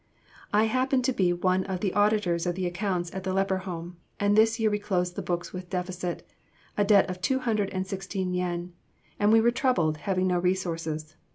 I happen to be one of the Auditors of the accounts at the Leper Home, and this year we closed the books with deficit, a debt of two hundred and sixteen yen, and we were troubled, having no resources.